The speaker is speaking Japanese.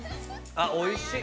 あっおいしい。